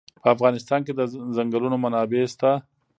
په افغانستان کې د چنګلونه منابع شته.